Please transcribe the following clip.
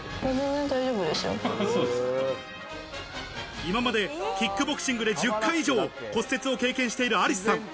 今までキックボクシングで１０回以上、骨折を経験しているアリスさん。